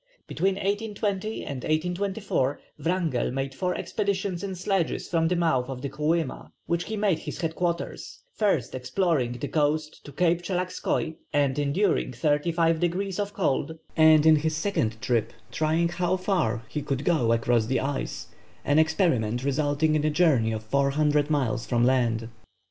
Between 1820 and 1824 Wrangell made four expeditions in sledges from the mouth of the Kolyma, which he made his headquarters, first exploring the coast to Cape Tchelagskoi, and enduring thirty five degrees of cold; and in his second trip trying how far he could go across the ice, an experiment resulting in a journey of 400 miles from the land.